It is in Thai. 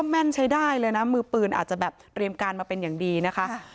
แม่นใช้ได้เลยนะมือปืนอาจจะแบบเตรียมการมาเป็นอย่างดีนะคะ